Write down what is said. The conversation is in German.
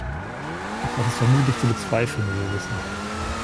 Das ist vermutlich zu bezweifeln, wie wir wissen.